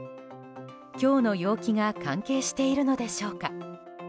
今日の陽気が関係しているのでしょうか。